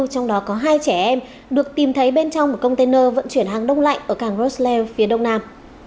trong đó có hai trẻ em được tìm thấy bên trong một container vận chuyển hàng đông lạnh ở cảng rosslev phía đông nam